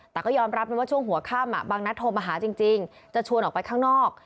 แต่ก็ยอมรับนะว่าช่วงหัวค่ำบางนัดโทรมาหาจริงจะชวนออกไปข้างนอก